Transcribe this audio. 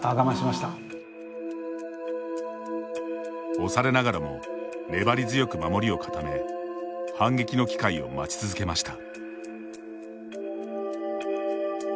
押されながらも粘り強く守りを固め反撃の機会を待ち続けました。